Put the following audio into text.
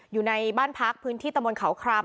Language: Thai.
อยู่ในบ้านพักพื้นที่ตะมนต์เขาคราม